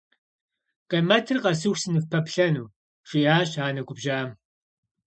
- Къемэтыр къэсыху сыныфпэплъэну? - жиӏащ анэ губжьам.